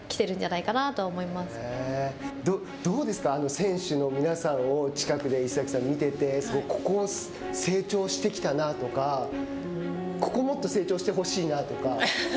選手の皆さんを近くで石崎さん、見ててここが成長してきたなとかここもっと成長してほしいなとか。